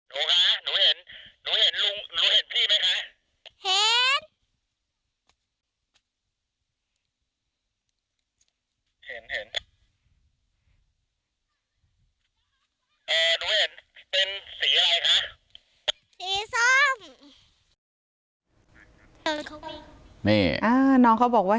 หนูเห็นพี่ไหมคะ